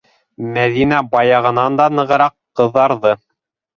Мәҙинә баяғынан да нығыраҡ ҡыҙарҙы.